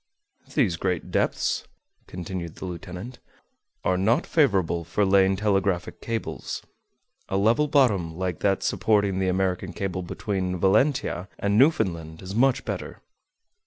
"These great depths," continued the lieutenant, "are not favorable for laying telegraphic cables. A level bottom, like that supporting the American cable between Valentia and Newfoundland, is much better."